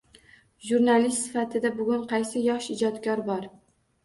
Jurnalist sifatida bugun qaysi yosh ijodkor bor.